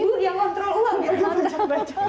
ibu yang kontrol uang